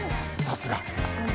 さすが。